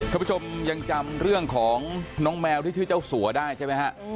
คุณผู้ชมยังจำเรื่องของน้องแมวที่ชื่อเจ้าสัวได้ใช่ไหมฮะ